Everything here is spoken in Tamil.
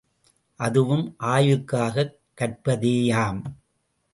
அதுவும் ஆய்வுக்காகக் கற்பதேயாம்.